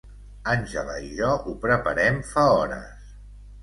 Angela i jo ho preparem fa hores.